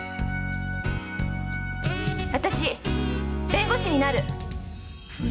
私弁護士になる！